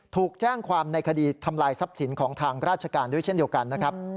ถูกแจ้งความในคดีทำลายทรัพย์สินของทางราชการด้วยเช่นเดียวกันนะครับ